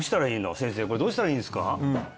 先生これどうしたらいいんですか？